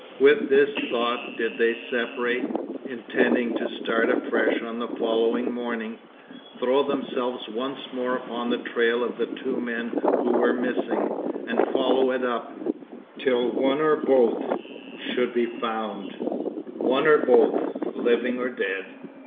With this thought did they separate; intending to start afresh on the following morning, throw themselves once more upon the trail of the two men who were missing, and follow it up, till one or both should be found one or both, living or dead.